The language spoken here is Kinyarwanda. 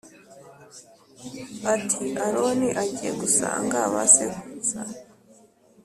ati Aroni agiye gusanga ba sekuruza